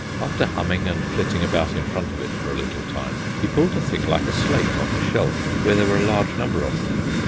After humming and flitting about in front of it for a little time, he pulled a thing like a slate off a shelf where there were a large number of them.